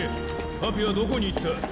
パピはどこに行った？